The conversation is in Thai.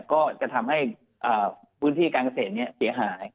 ก็จะทำให้พื้นที่การเกษตรเสียหาย